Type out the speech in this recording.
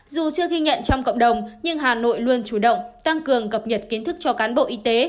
dù chưa ghi nhận trong cộng đồng nhưng hà nội luôn chủ động tăng cường cập nhật kiến thức cho cán bộ y tế